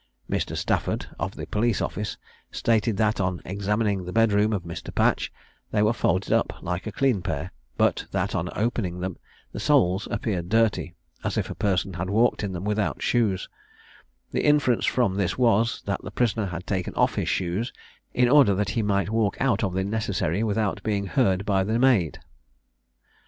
Mr. Stafford, of the police office, stated that, on examining the bed room of Mr. Patch, they were folded up like a clean pair, but that, on opening them, the soles appeared dirty, as if a person had walked in them without shoes: the inference from this was, that the prisoner had taken off his shoes in order that he might walk out of the necessary without being heard by the maid.